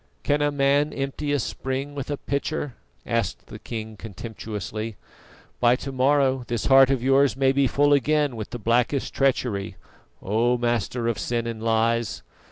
"Can a man empty a spring with a pitcher?" asked the king contemptuously. "By to morrow this heart of yours may be full again with the blackest treachery, O master of sin and lies.